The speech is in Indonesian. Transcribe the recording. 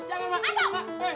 ya allah kasihan banget pa